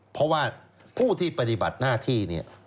เพราะว่าผู้ที่ปฏิบัติหน้าที่เนี่ย